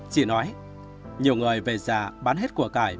chị nói nhiều người về già bán hết quả cải